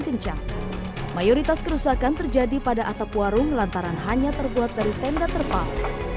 kencang mayoritas kerusakan terjadi pada atap warung lantaran hanya terbuat dari tenda terpal